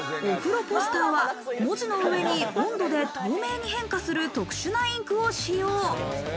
お風呂ポスターは文字の上に温度で透明に変化する特殊なインクを使用。